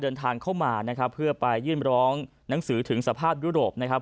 เดินทางเข้ามานะครับเพื่อไปยื่นร้องหนังสือถึงสภาพยุโรปนะครับ